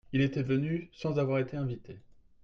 Il était venu sans avoir été invité.